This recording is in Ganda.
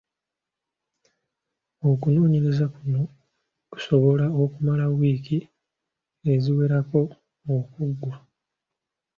Okunoonyereza kuno kusobola okumala wiiki eziwerako okuggwa.